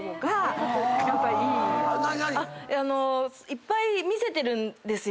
いっぱい見せてるんです